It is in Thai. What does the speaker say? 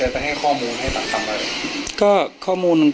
ถ้าใครอยากรู้ว่าลุงพลมีโปรแกรมทำอะไรที่ไหนยังไง